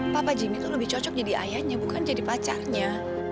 papa jimmy itu lebih cocok jadi ayahnya bukan jadi pacarnya